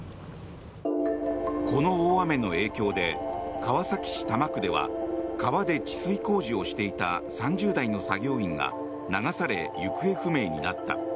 この大雨の影響で川崎市多摩区では川で治水工事をしていた３０代の作業員が流され行方不明になった。